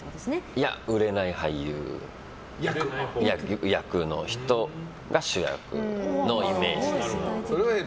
いや、売れない俳優役の人が主役のイメージです。